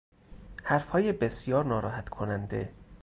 حرفهای بسیار ناراحت کننده